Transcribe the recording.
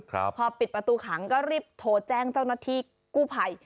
พอปิดประตูขังก็รีบโทรแจ้งเจ้าหน้าที่กู้ภัย